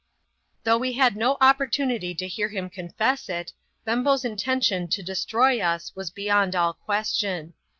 Though we had no opportunity to hear him confess it, Bem bo's intention to destroy us was beyond all question.